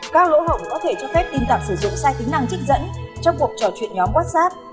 các lỗ hổng có thể cho phép tin tạp sử dụng sai tính năng trích dẫn trong cuộc trò chuyện nhóm whatsapp